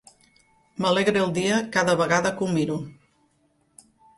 M'alegra el dia cada vegada que ho miro.